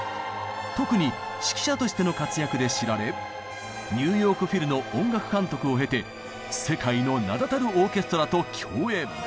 特に指揮者としての活躍で知られニューヨーク・フィルの音楽監督を経て世界の名だたるオーケストラと共演。